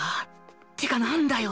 ってかなんだよ！